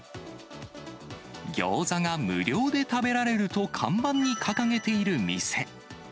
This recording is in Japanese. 餃子が無料で食べられると看板に掲げている店。